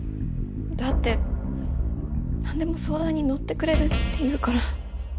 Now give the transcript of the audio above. だって何でも相談に乗ってくれるっていうから。